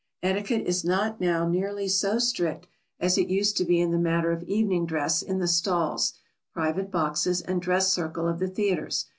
] Etiquette is not now nearly so strict as it used to be in the matter of evening dress in the stalls, private boxes, and dress circle of the theatres.